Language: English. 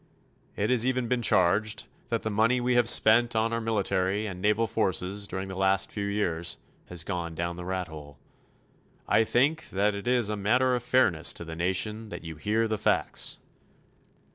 It has even been charged that the money we have spent on our military and naval forces during the last few years has gone down the rat hole. I think that it is a matter of fairness to the nation that you hear the facts.